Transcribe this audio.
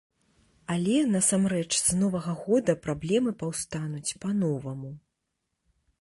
Але насамрэч з новага года праблемы паўстануць па-новаму.